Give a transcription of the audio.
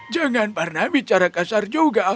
jangan pernah bicara kasar juga